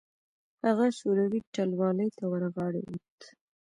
هغه شوروي ټلوالې ته ورغاړه وت.